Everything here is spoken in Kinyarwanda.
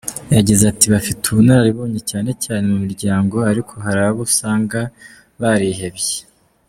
Yagize ati “Bafite ubunararibonye cyane cyane mu miryango, ariko hari abo usanga barihebye.